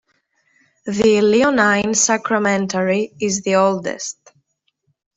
The "Leonine Sacramentary" is the oldest.